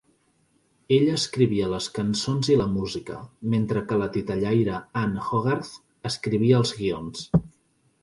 Ella escrivia les cançons i la música, mentre que la titellaire Ann Hogarth escrivia els guions.